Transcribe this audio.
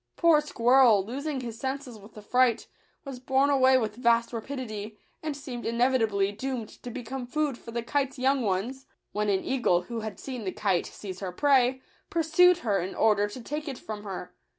Poor Squirrel, losing his senses with the fright, was borne away with vast rapidity, und seemed inevitably doomed to become food for the kite's young ones; when an eagle, who had seen the kite 102 Digitized by kaOOQle I! l '.f.A.